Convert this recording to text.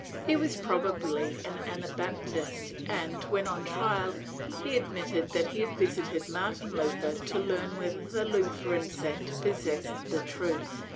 He was probably an Anabaptist and, when on trial, he admitted that he had visited Martin Luther to learn whether the Lutheran sect possessed the truth.